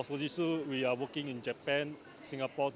untuk fujitsu kami bekerja di jepang singapura